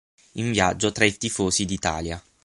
In viaggio tra i tifosi d'Italia".